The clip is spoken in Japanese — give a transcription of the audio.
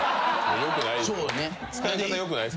よくない。